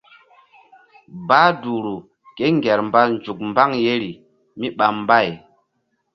Bah duhru kéŋger mba nzuk mbaŋ yeri míɓa mbay.